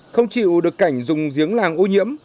không chịu được cảnh dùng giếng làng ô nhiễm